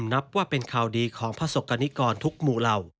จะเจอความรับของภาวดีของพระศกรณิกรทุกมูเหล่า